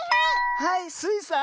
はいスイさん。